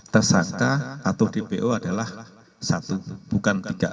tersangka atau dpo adalah satu bukan tiga